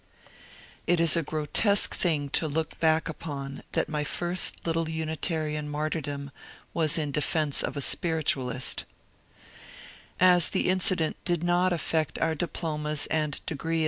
It is a grotesque thing to look back upon that my first little Unitarian martyrdom was in defence of a spiritualist I As the incident did not affect our diplomas and degree (B.